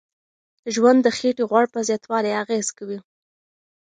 ژوند د خېټې غوړ په زیاتوالي اغیز کوي.